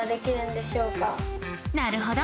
なるほど！